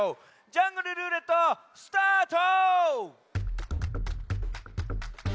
「ジャングルるーれっと」スタート！